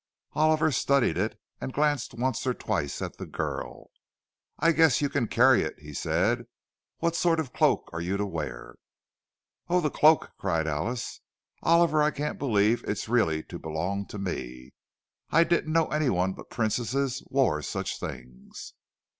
Oliver studied it, and glanced once or twice at the girl. "I guess you can carry it," he said. "What sort of a cloak are you to wear?" "Oh, the cloak!" cried Alice. "Oliver, I can't believe it's really to belong to me. I didn't know anyone but princesses wore such things."